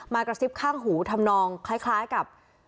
กระซิบข้างหูทำนองคล้ายกับ